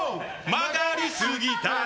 曲がりすぎたら